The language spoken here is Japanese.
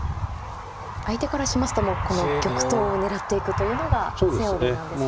相手からしますとこの玉頭を狙っていくというのがセオリーなんですね。